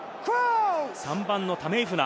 ３番のタメイフナ。